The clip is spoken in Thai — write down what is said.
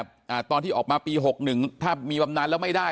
ตั้งแต่ตอนที่ออกมาปี๑๙๖๑ถ้ามีบำนานแล้วไม่ได้